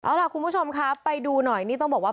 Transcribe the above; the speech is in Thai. เอาล่ะคุณผู้ชมครับไปดูหน่อยนี่ต้องบอกว่า